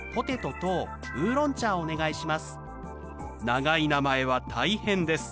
長い名前は大変です。